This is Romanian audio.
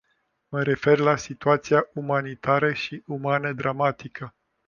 Mă refer la situația umanitară și umană dramatică.